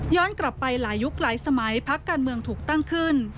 กลับไปหลายยุคหลายสมัยพักการเมืองถูกตั้งขึ้น